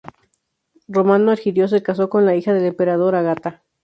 Romano Argiro se casó con la hija del emperador, Ágata.